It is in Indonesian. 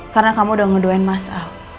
karena kamu udah ngeduain mas al